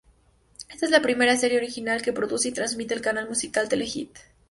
Esta es la primera serie original que produce y transmite el canal musical Telehit.